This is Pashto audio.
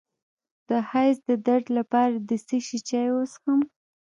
د حیض د درد لپاره د څه شي چای وڅښم؟